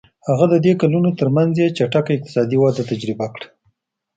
هغه د دې کلونو ترمنځ یې چټکه اقتصادي وده تجربه کړه.